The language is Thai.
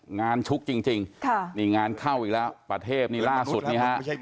ชุกจริงนี่งานเข้าอีกแล้วประเทศนี่ล่าสุดนี่ฮะ